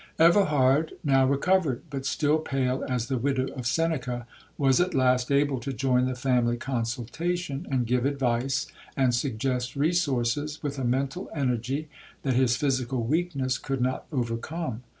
'Everhard, now recovered, but still pale as the widow of Seneca, was at last able to join the family consultation, and give advice, and suggest resources, with a mental energy that his physical weakness could not overcome.